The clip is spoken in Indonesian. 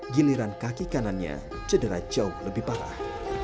giliran kaki kanannya cedera jauh lebih parah